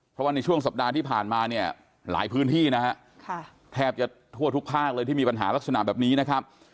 เพราะว่าในช่วงสัปดาห์ที่ผ่านมาเนี่ยหลายพื้นที่นะฮะแทบจะทั่วทุกภาคเลยที่มีปัญหาลักษณะแบบนี้นะครับ